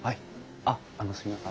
あっあのすいません